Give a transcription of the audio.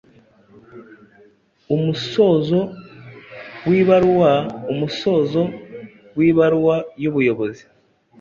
Umusozo w’ibaruwa: Umusozo w’ibaruwa y’ubuyobozi